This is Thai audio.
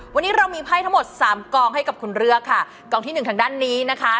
วันนี้เรามีไพ่ทั้งหมดสามกองให้กับคุณเลือกค่ะกองที่หนึ่งทางด้านนี้นะคะ